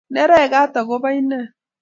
Neregat akobo inee